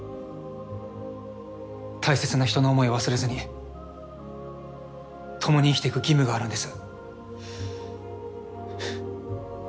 大切な人の思いを忘れずに共に生きていく義務があるんです。